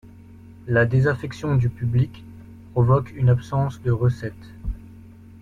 La désaffection du public provoque une absence de recettes.